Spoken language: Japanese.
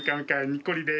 にっこりで。